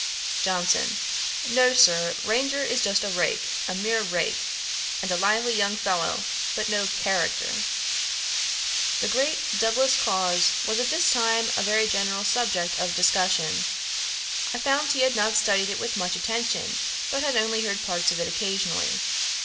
JOHNSON. 'No, Sir; Ranger is just a rake, a mere rake, and a lively young fellow, but no character'. The great Douglas Cause was at this time a very general subject of discussion. I found he had not studied it with much attention, but had only heard parts of it occasionally.